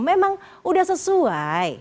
memang udah sesuai